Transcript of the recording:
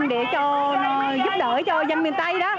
để giúp đỡ cho dân miền tây